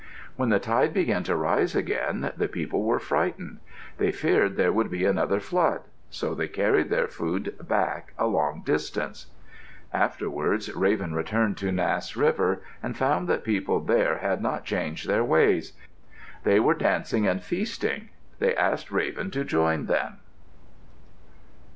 When the tide began to rise again, the people were frightened. They feared there would be another flood, so they carried their food back a long distance. Afterward Raven returned to Nass River and found that people there had not changed their ways. They were dancing and feasting. They asked Raven to join them.